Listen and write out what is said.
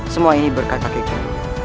semua ini berkat pak keguru